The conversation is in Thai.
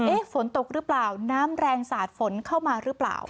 ฝนตกหรือเปล่าน้ำแรงสาดฝนเข้ามาหรือเปล่า